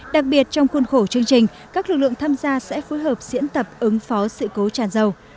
đặc biệt trong khuôn khổ chương trình các lực lượng tham gia sẽ phối hợp diễn tập ứng phó sự cố tràn dầu